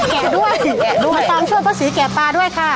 แกะด้วยมาช่วยป้าสีแกะปลาด้วยค่ะ